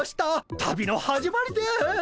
旅の始まりです。